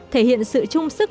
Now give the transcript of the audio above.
thể hiện sự chung sức